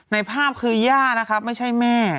ในภาพคือย่านะครับไม่ใช่แม่